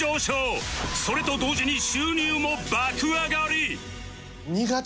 それと同時に収入も爆上がり！